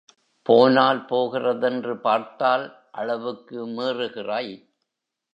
போனால் போகிறதென்று பார்த்தால் அளவுக்கு மீறுகிறாய்.